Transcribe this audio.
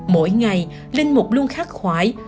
mỗi ngày linh mục luôn khát khoải